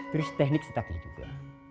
terus teknik cetaknya juga